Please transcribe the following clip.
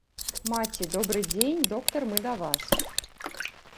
Маці добры дзень, доктар мы да вас.